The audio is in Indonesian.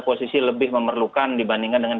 posisi lebih memerlukan dibandingkan dengan